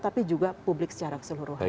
tapi juga publik secara keseluruhan